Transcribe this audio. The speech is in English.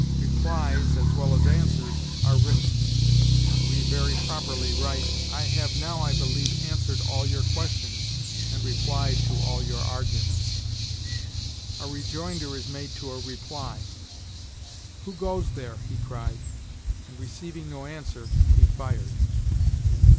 Replies, as well as answers, are written. We very properly write, "I have now, I believe, answered all your questions and replied to all your arguments." A rejoinder is made to a reply. "Who goes there?" he cried; and, receiving no answer, he fired.